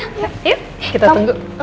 yuk kita tunggu